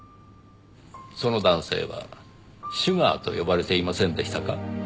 その男性はシュガーと呼ばれていませんでしたか？